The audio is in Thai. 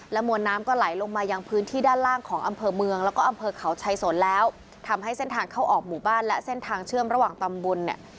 มวลน้ำก็ไหลลงมายังพื้นที่ด้านล่างของอำเภอเมืองแล้วก็อำเภอเขาชัยสนแล้วทำให้เส้นทางเข้าออกหมู่บ้านและเส้นทางเชื่อมระหว่างตำบลเนี่ย